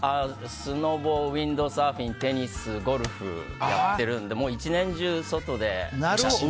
スノボ、ウィンドサーフィンテニスゴルフやってるのでもう１年中、外で。